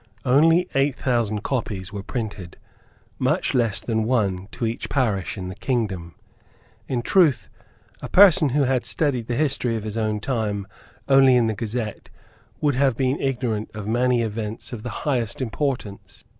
Only eight thousand copies were printed, much less than one to each parish in the kingdom. In truth a person who had studied the history of his own time only in the Gazette would have been ignorant of many events of the highest importance.